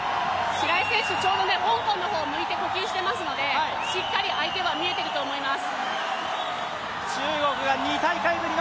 白井選手、ちょうど香港の方を向いて呼吸していますので、しっかり相手は見えてると思います。